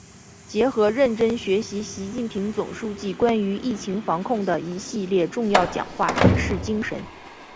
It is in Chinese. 结合认真学习习近平总书记关于疫情防控的一系列重要讲话、指示精神